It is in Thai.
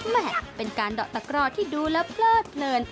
เป็นการดอกตะกร่อที่ดูแล้วเพลิดเพลิน